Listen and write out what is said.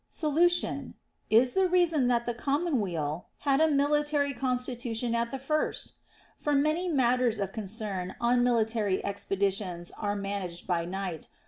Solution. Is the reason that the commonweal had a military constitution at the first \ For many matters of concern on military expeditions are managed by night.